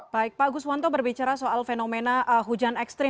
baik pak agus wanto berbicara soal fenomena hujan lebat